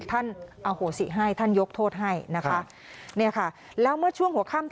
ท่านโอ้โฮสิให้ท่านยกโทษให้นะคะ